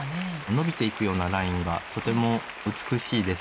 伸びていくようなラインがとても美しいですね。